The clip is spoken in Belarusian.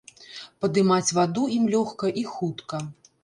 Падымаць ваду ім лёгка і хутка.